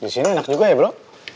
di sini enak juga ya bro